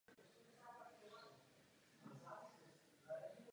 Dohromady má tedy album dvacet dva písní.